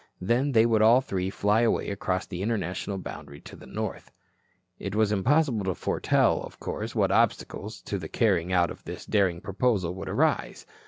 Then they would all three fly away across the international boundary to the north. It was impossible to foretell, of course, what obstacles to the carrying out of this daring proposal would arise.